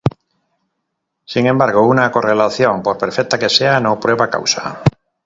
Sin embargo, una correlación, por perfecta que sea, no prueba causa.